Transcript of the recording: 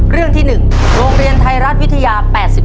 เรื่องที่๑โรงเรียนไทยรัฐวิทยา๘๙